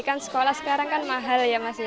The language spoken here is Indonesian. kan sekolah sekarang kan mahal ya mas ya